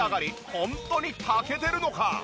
ホントに炊けてるのか？